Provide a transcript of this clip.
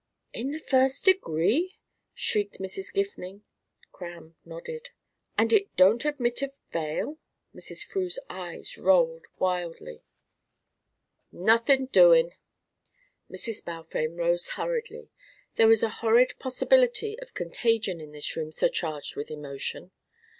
"In the first degree?" shrieked Mrs. Gifning. Cramb nodded. "And it don't admit of bail?" Mrs. Frew's eyes rolled wildly. "Nothin' doin'." Mrs. Balfame rose hurriedly. There was a horrid possibility of contagion in this room surcharged with emotion.